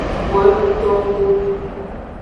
Wo enutnoxu.